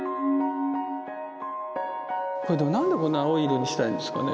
何でこんな青い色にしたいんですかね？